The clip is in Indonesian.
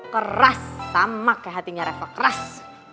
keras sama kayak hatinya reva keras